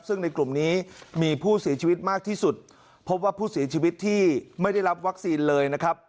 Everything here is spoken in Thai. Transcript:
ซึ่งในกลุ่มนี้มีผู้เสียชีวิตมากที่สุดพบว่าผู้เสียชีวิตที่ไม่ได้รับวัคซีนเลยนะครับ